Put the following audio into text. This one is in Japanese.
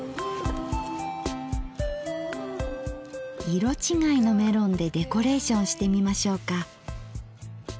色違いのメロンでデコレーションしてみましょうか。